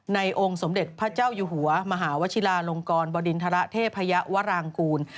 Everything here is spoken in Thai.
องค์สมเด็จพระเจ้าอยู่หัวมหาวชิลาลงกรบดินทรเทพยวรางกูล